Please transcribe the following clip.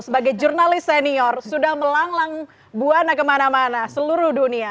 sebagai jurnalis senior sudah melanglang buana kemana mana seluruh dunia